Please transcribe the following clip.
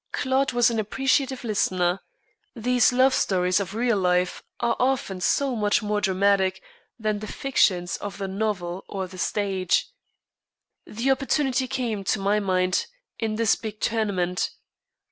Claude was an appreciative listener. These love stories of real life are often so much more dramatic than the fictions of the novel or the stage. "The opportunity came, to my mind, in this big tournament.